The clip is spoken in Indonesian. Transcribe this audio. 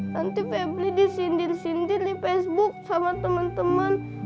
nanti febri disindir sindir di facebook sama temen temen